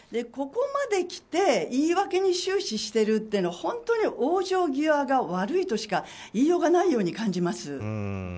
ここまできて言い訳に終始してるというのは本当に往生際が悪いとしか言いようがないように感じます。